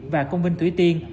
và công viên thủy tiên